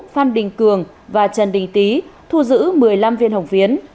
phan đình cường và trần đình tý thu giữ một mươi năm viên hồng phiến